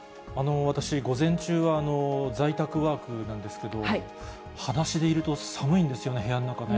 私、午前中は在宅ワークなんですけど、はだしでいると寒いんですよね、部屋の中ね。